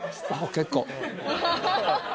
結構。